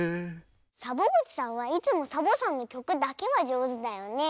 サボぐちさんはいつもサボさんのきょくだけはじょうずだよね。